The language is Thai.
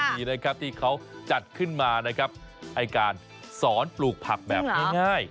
มีนะครับที่เขาจัดขึ้นมานะครับไอ้การสอนปลูกผักแบบง่าย